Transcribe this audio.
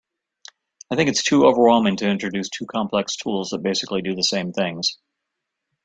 I think it’s too overwhelming to introduce two complex tools that basically do the same things.